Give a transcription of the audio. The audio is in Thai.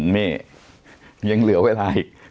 นี่ยังเหลือเวลาอีก